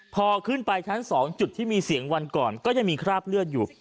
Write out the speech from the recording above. พอขึ้นไปชั้น๒จุดที่มีเสียงวันก่อนก็ยังมีคราบเลือดอยู่